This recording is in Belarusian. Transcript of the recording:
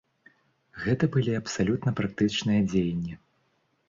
Гэта былі абсалютна практычныя дзеянні.